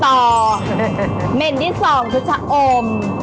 เหม็นที่๒ก็จะอม